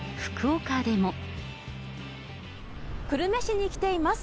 久留米市に来ています。